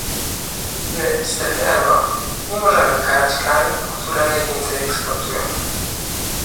My, w strefie euro, nie możemy karać krajów, które najwięcej eksportują